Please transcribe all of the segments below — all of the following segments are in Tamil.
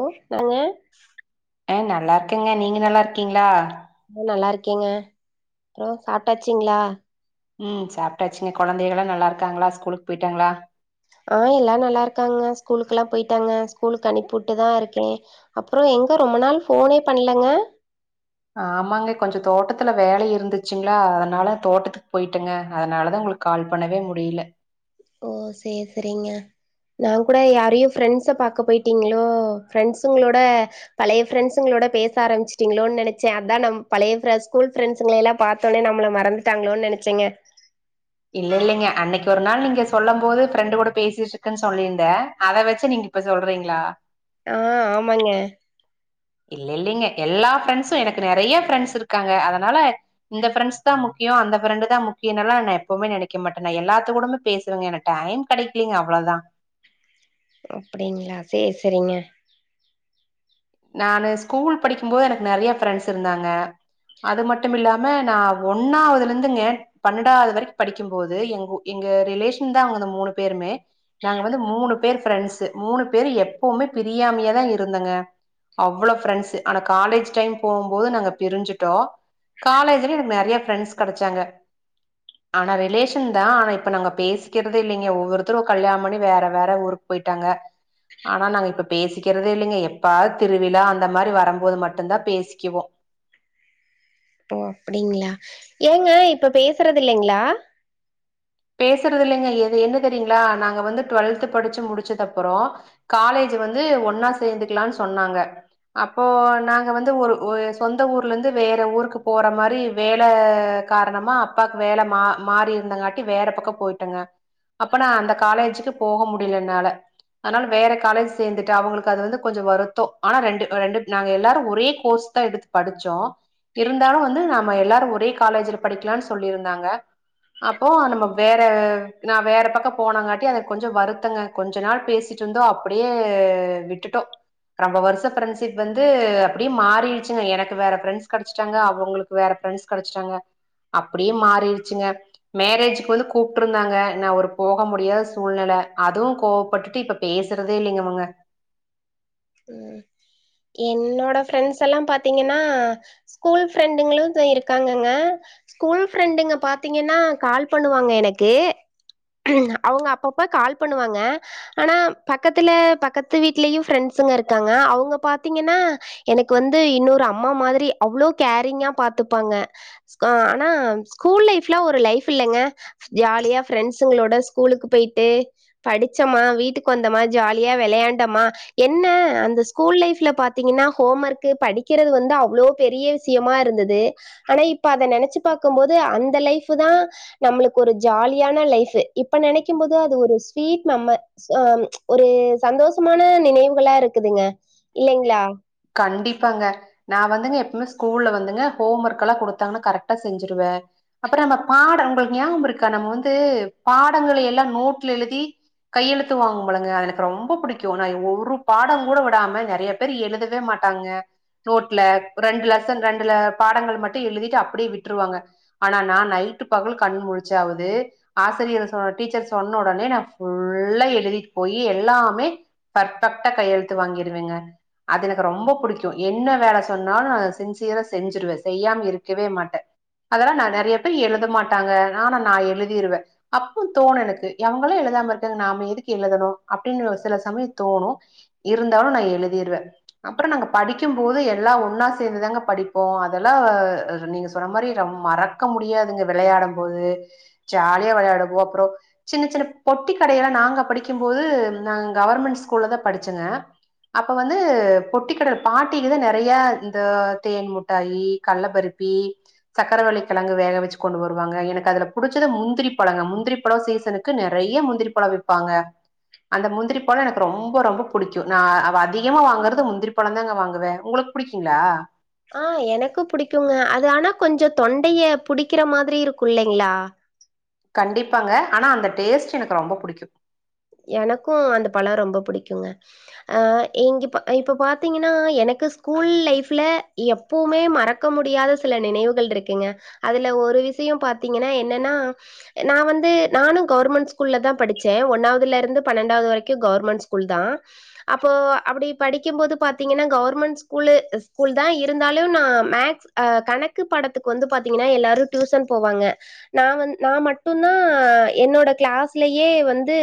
ஓ நாங்க ஆ நல்லா இருக்கேங்க நீங்க நல்லா இருக்கீங்ளா ம்ப நல்லா இருக்கேங்க அப்றோ சாப்ட்டாச்சுங்ளா ம் சாப்ட்டாச்சுங்க கொழந்தைகளா நல்லா இருக்காங்களா ஸ்கூலுக்கு போயிட்டாங்களா ஆ எல்லா நல்லா இருக்காங்க ஸ்கூலுக்குலா போயிட்டாங்க ஸ்கூலுக்கு அனுப்பிவுட்டுதா இருக்கே அப்றோ எங்க ரொம்ப நாள் ஃபோனே பண்லங்க ஆமாங்க கொஞ்ச தோட்டத்துல வேலை இருந்துச்சுங்ளா அதனால தோட்டத்துக்கு போயிட்டேங்க அதனாலதா உங்களுக்கு கால் பண்ணவே முடியில ஓ சேர் சேரிங்க நாங் கூட யாரையு ஃப்ரெண்ட்ஸ பாக்க போய்ட்டீங்களோ ஃப்ரெண்ட்ஸுங்களோட பழைய பிரெண்ட்ஸுங்களோட பேச ஆரம்மிச்சிட்டீங்களோன் நெனச்சே அதா நம் பழைய ஃபிரெ ஸ்கூல் ஃபிரெண்ட்ஸுங்கள எல்லா பாத் தோனே நம்மள மறந்துட்டாங்களோன் நெனச்சேங்க இல்ல இல்லைங்க அன்னைக்கு ஒரு நாள் நீங்க சொல்லம் போது ஃப்ரெண்டு்க் கூட பேசிட்ருக்கன் சொல்லிருந்தே அத வெச்சு நீங்க இப்ப சொல்றீங்ளா ஆ ஆமங்க இல்ல இல்லைங்க எல்லா ஃப்ரெண்ட்ஸு எனக்கு நெறைய ஃப்ரெண்ட்ஸ் இருக்காங்க அதனால இந்த ப்ரெண்ட்ஸ் தா முக்கியோ அந்த ஃப்ரெண்டு தா முக்கியனெல்லா நா எப்பவுமே நெனைக்க மாட்டே நா எல்லாத்து கூடமே பேசுவேங்க எனக் டைம் கெடைக்கலைங்க அவ்ளோதா அப்டிங்ளா சேரி சேரிங்க நானு ஸ்கூல் படிக்கும் போது எனக்கு நெறைய ஃப்ரெண்ட்ஸ் இருந்தாங்க அது மட்டுமில்லாம நா ஒன்னாவ்துல இருந்துங்க பன்னெண்டாவ்து வரைக்கு படிக்கும்போது எங்கூ எங்க ரிலேஷன் தா அவங்க அந்த மூணு பேருமே நாங்க வந்து மூணு பேரு ஃப்ரெண்ட்ஸு மூணு பேரு எப்பவுமே பிரியாமையே தா இருந்தங்க அவ்வளோ ஃப்ரெண்ட்ஸு ஆனா காலேஜ் டைம் போகும்போது நாங்க பிரிஞ்சுட்டோ காலேஜ்லியு எனக்கு நெற்ய ஃப்ரெண்ட்ஸ் கடச்சாங்க ஆனா ரிலேஷன் தா ஆனா இப்ப நாங்க பேசிக்கற்தே இல்லிங்க ஒவ்வொருத்தரு கல்யாம் பண்ணி வேற வேற ஊருக் போய்ட்டாங்க ஆனா நாங்க இப்ப பேசிக்கற்தே இல்லிங்க எப்பா திருவிழா அந்த மாரி வரம்போது மட்டுந்தா பேசிக்கிவோ ஒ அப்புடிங்ளா ஏங்க இப்ப பேஸ்றது இல்லைங்ளா பேசுறது இல்லைங்க எது என்ன தெரியுங்ளா நாங்க வந்து ட்வல்த் படிச்ச முடிச்சது அப்புறோ காலேஜ் வந்து ஒன்னா சேந்துக்கலான் சொன்னாங்க அப்போ நாங்க வந்து ஒரு ஒ சொந்த ஊர்லேந்து வேற ஊருக்கு போற மாரி வேல காரணமா அப்பாக் வேல மா மாறி இருந்தங்காட்டி வேற பக்க போயிட்டங்க அப்பனா அந்த காலேஜ்க்கு போக முடில என்னால அத்னால வேற காலேஜ் சேந்துட்டு அவுங்ளுக்கு அது வந்து கொஞ்ச வருத்தோ ஆனா ரெண்டு ரெண்டு நாங்க எல்லாரு ஒரே கோர்ஸ் தா எடுத்து படுச்சோ இருந்தாலு வந்து நாம எல்லாரு ஒரே காலேஜ்ல படிக்லான் சொல்லிருந்தாங்க ஓ நம்ம வேற நா வேற பக்க போனங்காட்டி அத கொஞ்ச வருத்தங்க கொஞ்ச நாள் பேசிட் ட்ருந்தோ அப்புடியே விட்டுட்டோ ரம்ப வர்ஷ ஃப்ரெண்ட்ஷிப் வந்து அப்புடியே மாறிடுச்சுங்க எனக்கு வேற ஃப்ரண்ட்ஸ் கடச்சட்டாங்க அவங்ளுக் வேற ஃப்ரெண்ட்ஸ் கடச்சிட்டாங்க அப்புடியே மாறிடுச்சுங்க மேரேஜ்க் வந்து கூப்ட்ருந்தாங்க நா ஒரு போக முடியாத சூழ்நல அதுவு கோவப்பட்டுட்டு இப்ப பேசுறதே இல்லிங்க அவுங்க அ என்னோட பஃப்ரண்ட்ஸல்லா பாத்தீங்கன்னா ஸ்கூல் ஃப்ரெண்டுங்ளு தோ இருக்காங்கங்க ஸ்கூல் ஃப்ரெண்டுங்க பாத்தீங்கன்னா கால் பண்ணுவாங்க எனக்கு அவுங்க அப்பப்ப கால் பண்ணுவாங்க ஆனா பக்கத்துல பக்கத்து வீட்லியு ஃப்ரெண்ட்ஸுங்க இருக்காங்க அவுங்க பாத்தீங்கன்னா எனக்கு வந்து இன்னொரு அம்மா மாதுரி அவ்ளோ கேரிங்கா பாத்துப்பாங்க ஸ்கோ அனா ஸ்கூல் லைஃப்லா ஒரு லைஃப் இல்லங்க ஜாலியா ஃப்ரெண்ட்ஸுங்களோட ஸ்கூலுக் பொயிட்டு படிச்சம்மா வீட்டுக்கு வந்தமா ஜாலியா வெளையாண்டமா என்ன அந்த ஸ்கூல் லைஃப்ல பாத்தீங்கன்னா ஹோம் ஒர்க்கு படிக்கிறது வந்து அவ்ளோ பெரிய விஸ் சியமா இருந்துது ஆனா இப்ப அத நெனச்சு பாக்கம்போது அந்த லைஃபுதா நம்ளுக்கு ஒரு ஜாலியான லைஃபு இப்ப நெனக் கிம் போது அது ஒரு ஸ்வீட் மெம்ம ச ம் ஒரு சந்தஸ்மான நினைவு கொல்லா இருக்குதுங்க இல்லைங்ளா கண்டிப்பாங்க நா வந்துங்க எப்பவ்மே ஸ்கூல்ல வந்துங்க ஹோம் ஒர்கல்லா குடுத்தாங்கன்ன கரெக்டா செஞ்சிருவ அப்புறம்ம பாட உங்களுக்கு ஞாபும் இருக்கா நம் வந்து பாடங்கள எல்லா நோட்ல எழுதி கையெழுத்து வாங்கும்புழங்க அது எனக்கு ரொம்ப புடிக்கு நா ஏ ஒரு பாடங்கூட விடாம நெறையா பேர் எழுது தே மாட்டாங்க நோட்ல ரெண்டு லெசன் ரெண்டுல பாடங்கள் மட்டு எழுதிட்டு அப்புடியே விட்ருவாங்க ஆனா நா நைட்டு பகல் கண் முழுச்சாவுது ஆசுரியர சொ டீச்சர் சொன்ன ஒடனே நா ஃபுல்லா எழுதிட்டு போயி எல்லாமே பர்பெக்டா கையெழுத்து வாங்கிருவீங்க அது எனக்கு ரொம்ப புடிக்கு என்ன வேல சொன்னாலு நா அத சின்சியரா செஞ்சிருவ செய்யாம இருக்கவே மாட்ட அதல்லா நா நெறைய பேர் எழுதமாட்டாங்க ஆனா நா எழுதிருவே அப்ப தோணு எனக்கு எவங்களு எழுதாம இருக்காங்க நாம எதுக்கு எழுதணு அப்டின்னு சில சமய தோணு இருந்தாலு நா எழுதிருவ அப்புற நாங்க படிக்கும் போது எல்லா ஒன்னா சேந்துதாங்க படிப்போ அதெல்லா நீங்க சொன்ன மாரி ரம் மறக்க முடியாதுங்க விளையாடும் போது ஜாலியா விளையாடுவோ அப்றோ சின்ன சின்ன பொட்டி கடையல்ல நாங்க படிக்கும் போது நாங்க கவர்மெண்ட் ஸ்கூல்ல தா படிச்சங்க அப்ப வந்து பொட்டி கடல பாட்டிலதா நெறைய இந்த தேன் முட்டாயி கள்ளபருப்பி சக்கரவள்ளி கெழங்கு வேக வச்சு கொண்டு வருவாங்க எனக்கு அதுல புடிச்சது முந்திரி பழங்க முந்திரி பழோ சீசனுக் கு நெறைய முந்திரி பழ விப்பாங்க அந்த முந்திரி பழ எனக்கு ரொம்ப ரொம்ப புடிக்கு நா வ அதிகமா வாங்குறது முந் திரி பழோ தாங்க வாங்குவ உங்களுக்கு புடிக்கீங்களா ஆ எனக்கு புடிக்குங்க அது ஆனா கொஞ்ச தொண்டைய புடிக்கிற மாதிரி இருக்கு இல்லைங்களா கண்டிப்பாங்க ஆனா அந்த டேஸ்ட் எனக்கு ரொம்ப புடிக்கு எனக்கு அந்த பழோ ரொம்ப புடிக்குங்க அ இங்க இப் இப்ப பாத்தீங்கன்னா எனக்கு ஸ்கூல் லைஃப்ல எப் எப்பவுமே மறக்க முடியாத சில நினைவுகள் ருக்குங்க அதுல ஒரு விஷய பாத்தீங்கன்னா என்னனா நா வந்து நானு கவர்மெண்ட் ஸ்கூல்ல தா படிச்ச ஒன்னாவ துல இருந்து பன்னெண்டாவது வரைக்கு கவர்மெண்ட் ஸ்கூல் தா அப்போ அப்படி படிக்கும்போது பாத்தீங்கன்னா கவர்மெண்ட் ஸ்கூலு ஸ்கூல் தா இருந்தாலு நா மேக்ஸ் அ கணக்கு பாடத்துக்கு வந்து பாத்தீங்கனா எல்லாரு டுசன் போவாங்க நா வந் நா மட்டுதா என்னோட கிளாஸ்லயே வந்து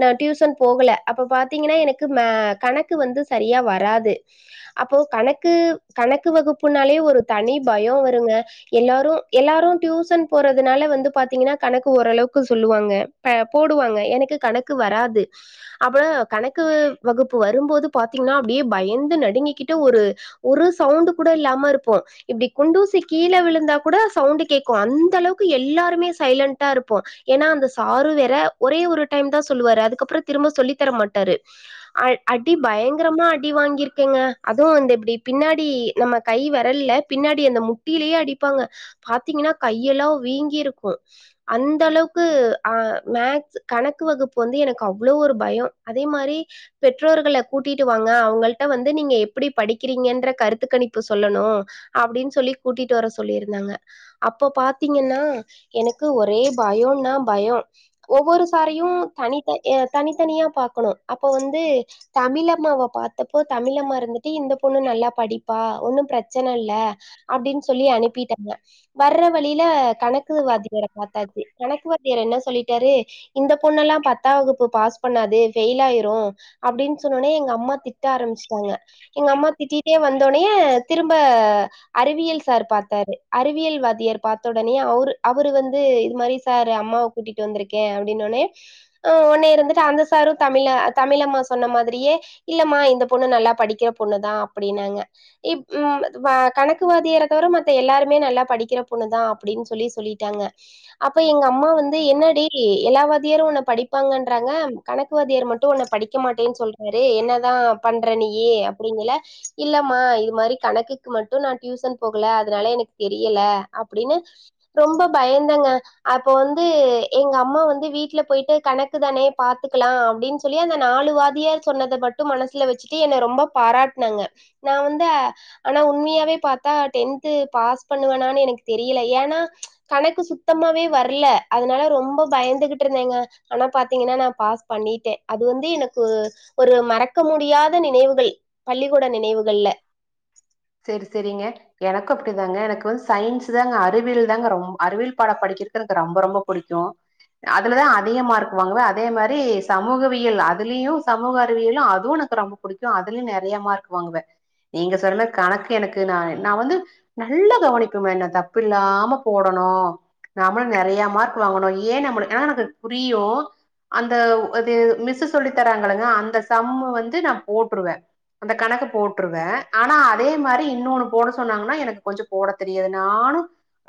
நா டியூசன் போகல அப்ப பாத்தீங்கன்னா எனக்கு மே கணக்கு வந்து சரியா வராது அப்போ கணக்கு கணக்கு வகுப்புனாலே ஒரு தனி பயோ வருங்க எல்லாரு எல்லாரு டியூசன் போறதுனால வந்து பாத்தீங்கன்னா கணக்கு ஓரளவுக்கு சொல்லுவாங்க ப போடுவாங்க எனக்கு கணக்கு வராது அப்புல கணக்கு வகுப்பு வரும்போது பாத்தீங்கன்னா அப்டியே பயந்து நடுங்கிக்கிட்டு ஒரு ஒரு சவுண்டுகூட இல்லாம இருப்போ இப்டி குண்டூசி கீழ விழுந்தா கூட சவுண்டு கேக்கு அந்த அளவுக்கு எல்லாருமே சைலண்டா இருப்போ ஏனா அந்த சாரு வேற ஒரே ஒரு டைம் தா சொல்லுவாரு அதுக்கப்புற திரும்ப சொல்லி தரமாட்டாரு அ அடி பயங்கரமா அடி வாங்கியிருக்கேங்க அதுவு வந்து எப்டி பின்னாடி நம்ம கை விரல்ல பின்னாடி அந்த முட்டிலயே அடிப்பாங்க பாத்தீங்கன்னா கையெல்லா வீங்கிருக்கு அந்த அளவுக்கு அ மேக்ஸ் கணக்கு வகுப்பு வந்து எனக்கு அவ்ளோ ஒரு பயம் அதே மாரி பெற்றோர்கள கூட்டிட்டு வாங்க அவங்கள்ட்ட வந்து நீங்க எப்படி படிக்கிறீங்கன்ற கருத்து கணிப்பு சொல்லணு அப்டின் சொல்லி கூட்டிட்டு வர சொல்லிருந்தாங்க அப்ப பாத்தீங்கன்னா எனக்கு ஒரே பயோன்னா பயோ ஒவ்வொரு சாரையு தனித்த அ தனித்தனியா பாக்கணு அப்போ வந்து தமிழம்மாவ பாத்தப்போ தமிழம்மா இருந்துட்டு இந்த பொண்ணு நல்லா படிப்பா ஒன்னு பிரச்சன இல்ல அப்டின் சொல்லி அனுப்பிட்டாங்க வர்ற வழியில கணக்குவாத்தியார பாத்தாசு கணக்குவாத்தியார் என்ன சொல்லிட்டாரு இந்த பொண்ணல்லா பத்தா வகுப்பு பாஸ் பண்ணாது ஃபெயில் ஆயிரு அப்டின் சொன்னோனே எங்க அம்மா திட்ட ஆரம்பிச்சிட்டாங்க எங்க அம்மா திட்டிட்டே வந்தோனயே திரும்ப அறிவியல் சார் பாத்தாரு அறிவியல் வாத்தியார் பாத்தவுடனயே அவரு அவர் வந்து இது மாரி சார் அம்மாவுக் கூட்டிட்டு வந்திருக்கே அப்டினோனே அ ஒன்னு இருந்துட்டு அந்த சாரு தமிழ தமிழம்மா சொன்ன மாதிரியே இல்லமா இந்த பொண்ணு நல்லா படிக்கிற பொண்ணு தா அப்டின்னாங்க இப் ம் அ கணக்கு வாத்தியாரத் தவிர மத்த எல்லாருமே நல்லா படிக்கிற பொண்ணு தா அப்டின்னு சொல்லி சொல்லி ட்டாங்க அப்ப எங்க அம்மா வந்து என்னாடி எல்லா வாதியாரு உன்ன படிப்பாங்கன்றாங்க கணக்கு வாத்தியார் மட்டு உன்னை படிக்க மாட்டேன்னு சொல்றாரு என்னதா பண்ற நீயி அப்டிங்கல இல்லம்மா இது மாரி கணக்குக்கு மட்டு நா டியூசன் போகல அதனால எனக்கு தெரியல அப்டின்னு ரொம்ப பயதாங்க அப்போ வந்து எங்க அம்மா வந் வீட்ல போயிட்டு கணக்கு தானே பாத்துக்கலா அப்டின்னு சொல்லி அந்த நாலு வாத்தியார் சொன்னத மட்டு மனசுல வச்சுட்டு என்ன ரொம்ப பாராட்டுனாங்க நா வந்து ஆனா உண்மையாவே பாத்தா டென்து பாஸ் பண்ணுவனான்னு எனக்கு தெரியல ஏன்னா கணக்கு சுத்தமாவே வரல அதனால ரொம்ப பயந்துகி ட்டு இருந்தேங்க ஆனா பாத்தீங்கன்னா நா பாஸ் பண்ணிட்டே அது வந்து எனக்கு ஒரு மறக்க முடியாத நினைவுகள் பள்ளிக்கூட நினைவுகள்ல செரி செரிங்க எனக்கு அப்டிதாங்க எனக்கு வந்து சயின்ஸ் தாங்க அறிவியல் தாங்க ரொம் அறிவியல் பாட படிக்கிரு க்கு ரொம்ப ரொம்ப புடிக்கு அதுலதா அதிக மார்க்கு வாங்குவா அதே மாரி சமூகவியல் அதுலயு சமூக அறிவியலும் அதுவு எனக்கு ரொம்ப புடிக்கு அதுலயு நெறைய மார்க் வாங்குவ நீங்க சொறன கணக்கு எனக்கு நா நா வந்து நல்லா கவனிப்பமா என்ன தப்பு இல்லாம போடணு நாமளு நெறைய மார்க் வாங்கணு ஏ நம்மளு ஏனா எனக்கு புரியு அந்த இது மிஸ் சொல்லி தராங்கங்கல்லங்க அந்த சம்மு வந்து நா போட்டுருவே அந்த கணக்கு போட்டுருவே ஆனா அதே மாரி இன்னொன்னு போட சொன்னாங்கன்னா எனக்கு கொஞ்சோ போட தெரியாது நானு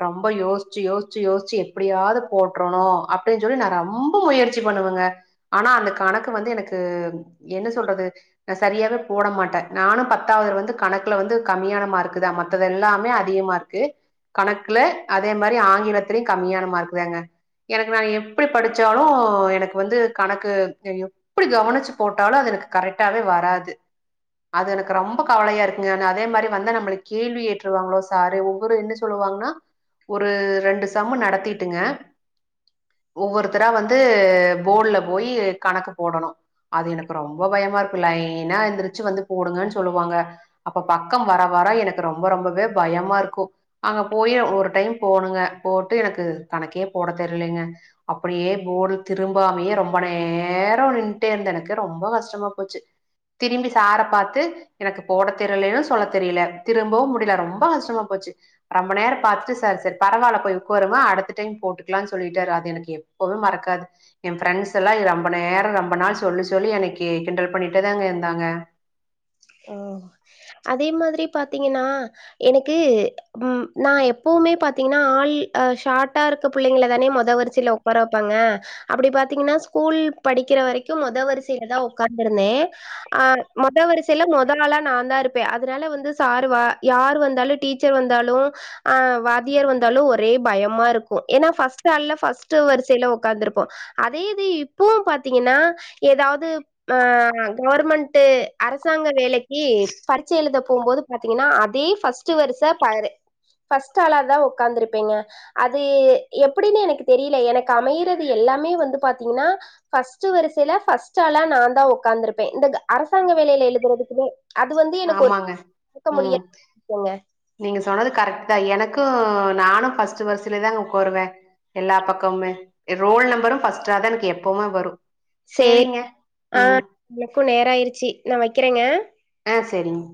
ரொம்ப யோசிச்சு யோசிச்சு யோசிச்சு எப்டியாவது போட்டுறணு அப்டின்னு சொல்லி நா ரொம்ப முய ற்சி பண்ணுவங்க ஆனா அந்த கணக்கு வந்து எனக்கு என்ன சொல்றது நா சரியாவே போட மாட்டே நானு பத்தாவது வந்து கணக் குல வந்து கம்மியான மார்க்குதா மத்தது எல்லாமே அதிகமா இருக்கு கணக்குல அதே மாரி ஆங்கிலத்தலயு கம்மியானமா மார்குதாங்க எனக்கு நா எப்டி படிச்சாலு எனக்கு வந்து கணக்கு தெரியு எப்டி கவனிச்சு போட்டாலு அது எனக்கு கரெக்டாவே வராது அது எனக்கு ரொம்ப கவலையா இருக் குங்க அதே மாரி வந்து நம்மள கேள்வி ஏற்றுவாங்களோ சாரு ஒவ்வொரு என்ன சொல்லுவாங்கன்னா ஒரு ரெண்டு சம்மு நடத்திட்டுங்க ஒவ்வொருத்தரா வந்து போட்ல போய் கணக்கு போடணு அது எனக்கு ரொம்ப பயமா இருக்கு லைன்னா எந்திரிச்சு வந்து போடுங்கன்னு சொல்லுவாங்க அப்ப பக்கம் வர வர எனக்கு ரொம்ப ரொம்பவே பயமா இருக்கு அங்க போயி ஒரு டைம் போணுங்க போட்டு எனக்கு கணக்கே போட தெரியலங்க அப்டியே போர்டுல திரும்பாமயே ரொம்ப நேரோ நின்ட்டே இருந்த எனக்கு ரொம்ப கஷ்டமா போச்சு திரும்பி சார பாத்து எனக்கு போடத் தெரியலன்னு சொல்ல தெரியல திரும்பவு முடியல ரொம்ப கஷ்டமா போச்சு ரொம்ப நேர பாத்துட்டு சார் சரி பரவால்ல போய் உக்காருங்க அடுத்த டைம் போட்டுக்கலாம்னு சொல்லிட்டாரு அது எனக்கு எப் பவும் மறக்காது என் ஃப்ரெண்ட்ஸ் எல்லா ரொம்ப நேரோ ரொம்ப நாள் சொல்லி சொல்லி எனைக்கி கிண்டல் பண்ணிட்டே தாங்க இருந்தாங்க ஓ அதே மாதிரி பாத்தீங்கன்னா எனக்கு ம் நா எப்பவுமே பாத்தீங்கன்னா ஆள் அ ஷார்ட்டா இருக்க புள்ளைங்களை தானே மொத வரிசில உக்கார வெப்பாங்க அப்டி பாத்தீங்கன்னா ஸ்கூல் படிக்கிற வரைக்கும் மொதல் வரிசையில தா உக்காந்துருந்தே ஆ மொத வரி சைல மொத ஆளா நாதா இருப்பே அதனால வந்து சார் வா யார் வந்தாலு டீச்சர் வந்தாலு ஆ வாதியார் வந்தாலு ஒரே பயமா இருக்கு ஏனா ஃபர்ஸ்ட் ஆள்ல ஃபர்ஸ்ட்டு வரிசையில உக்காந்துருப்போ அதே இது இப்பவு பாத்தீங்கன்னா ஏதாவது ஆ கவர்மெண்ட்டு அரசு அரசாங்க வேலைக்கி பரிச்ச எழுத போம் போது பாத்தீங்கன்னா அதே ஃபர்ஸ்ட்டு வருஷ பாரு ஃபர்ஸ்ட்டு ஆளாதா உக்காந்துருப்பீங்க அது எப்டின்னு எனக்கு தெரியல எனக்கு அமையறது எல்லாமே வந்து பாத்தீங்கன்னா ஃபர்ஸ்ட்டு வரிசையில ஃபர்ஸ்ட்டு ஆளா நாதா உக்காந்துருப்பே இந்த அரசாங்க வேலையில எழுதுறதுக்குமே அது வந்து எனக்கு ஆமாங்க ஒருக்க [inaudible] ம் முடியாத ஒன்னு நீங்க சொன்னது கரெக்ட்தா எனக்கு நானு ஃபர்ஸ்ட்டு வரிசையிலே தா உக்காருவே எல்லா பக்கமுமே ரோல் நம்பரும் ஃபர்ஸ்ட்டாதா எனக்கு எப்பவுமே வரு செரி சேரிங்க ஆ ம் எனக்கு நேர ஆயிருச்சு நா வக்கிறேங்க ஆ செரிங்க